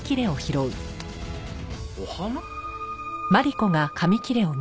お花？